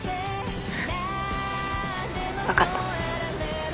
分かった。